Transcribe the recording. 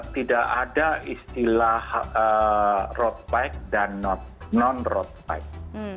tidak ada istilah road bike dan non road bike